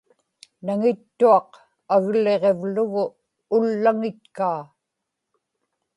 naŋittuaq agliġivlugu ullaŋitkaa